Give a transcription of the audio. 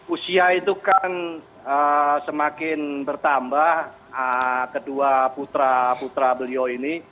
usia itu kan semakin bertambah kedua putra putra beliau ini